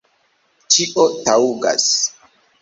Ĉio taŭgas.